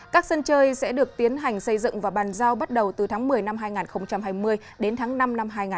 các sân chơi sẽ được tiến hành xây dựng và bàn giao bắt đầu từ tháng một mươi năm hai nghìn hai mươi đến tháng năm năm hai nghìn hai mươi một